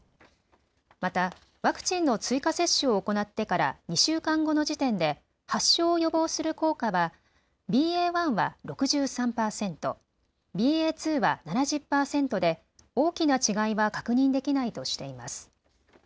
またワクチンの追加接種を行ってから２週間後の時点で発症を予防する効果はＢＡ．１は６３％、ＢＡ．２は７０％で大きな違いは確認できないとしています。